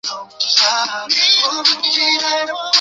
鸡仔木为茜草科鸡仔木属下的一个种。